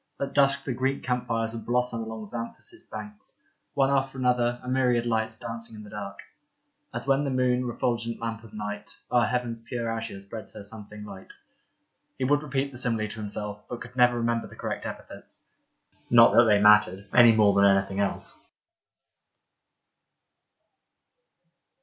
At dusk the Greek camp fires would blossom along Xanthus banks — one after another, a myriad lights dancing in the dark. As when the moon, refulgent lamp of night, O'er heaven's pure azure spreads her something light. He would repeat the simile to himself, but could never remember the correct epithets. Not that they mattered — any more than anything else.